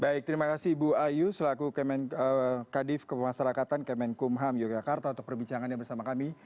baik terima kasih ibu ayu selaku kadif kemasyarakatan kemenkumham yogyakarta untuk perbincangannya bersama kami